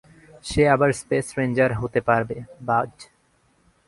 সে আবার space ranger হতে পারবে, বায।